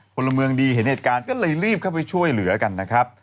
พลเมืองดีเห็นเหตุการณ์ก็เลยรีบเข้าไปช่วยเหลือกันนะครับ